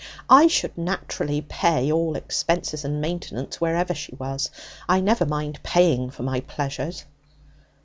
'I should naturally pay all expenses and maintenance wherever she was; I never mind paying for my pleasures.'